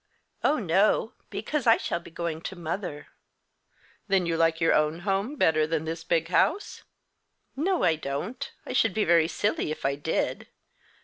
"Oh no, because I shall be going to mother." "Then you like your own home better than this big house?" "No I don't. I should be very silly if I did.